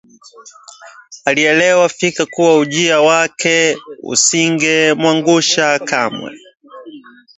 Alielewa fika kuwa uji wake usingemwangusha kamwe